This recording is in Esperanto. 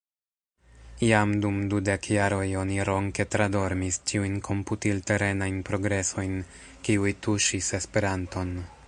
Jam dum dudek jaroj oni ronke tradormis ĉiujn komputilterenajn progresojn, kiuj tuŝis Esperanton.